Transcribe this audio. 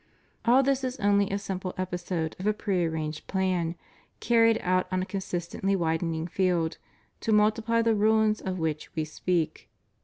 All this is only a simple episode of a prearranged plan carried out on a constantly widening field to multiply the ruins of which We speak.